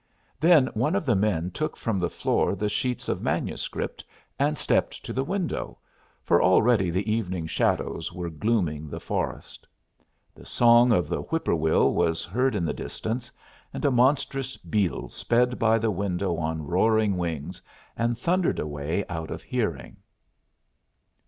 Then one of the men took from the floor the sheet of manuscript and stepped to the window, for already the evening shadows were glooming the forest. The song of the whip poor will was heard in the distance and a monstrous beetle sped by the window on roaring wings and thundered away out of hearing.